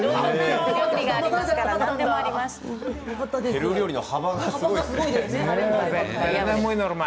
ペルー料理の幅が広がりますね。